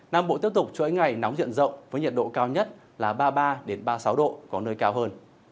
nam bộ tiếp tục cho ánh ngày nóng diện rộng với nhiệt độ cao nhất là ba mươi ba đến ba mươi sáu độ có nơi cao hơn